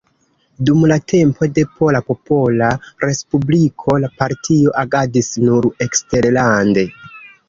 Dum la tempo de Pola Popola Respubliko la partio agadis nur eksterlande.